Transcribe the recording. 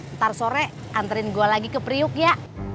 ntar sore anterin gue lagi ke priuk ya